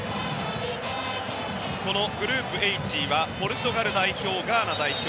このグループＨはポルトガル代表、ガーナ代表